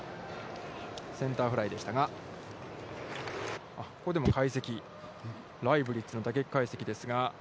センターフライでしたが、ここでも解析、ライブリッツの打撃解析ですが。